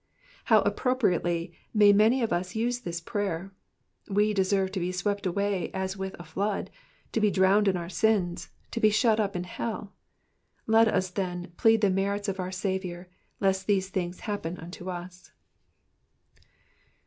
How appropriately may many of us use this prayer. We deserve to be swept away as with a fiood, to be drowned in our sins, to be shut up in hell; let us, then, plead the merits of our Saviour, lest these things happen unto us.